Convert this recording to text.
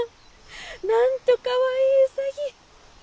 なんとかわいいうさぎ。